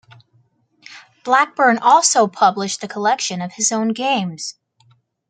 Blackburne also published a collection of his own games.